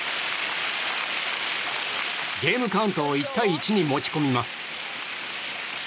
ゲームカウント１対１に持ち込みます。